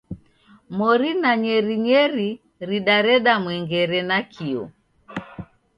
Mori na nyerinyeri ridareda mwengere nakio.